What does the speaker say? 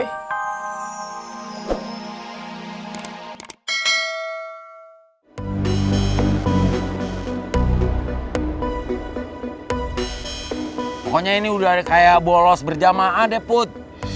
pokoknya ini udah kayak bolos berjamaah deh put